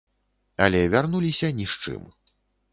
Але вярнуліся ні з чым.